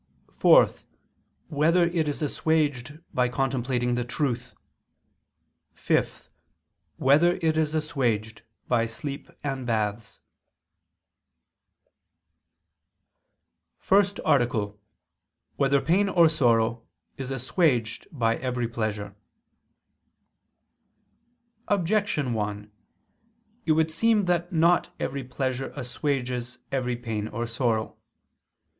(4) Whether it is assuaged by contemplating the truth? (5) Whether it is assuaged by sleep and baths? ________________________ FIRST ARTICLE [I II, Q. 38, Art. 1] Whether Pain or Sorrow Is Assuaged by Every Pleasure? Objection 1: It would seem that not every pleasure assuages every pain or sorrow.